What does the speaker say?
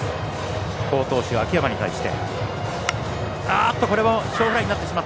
好投手、秋山に対して。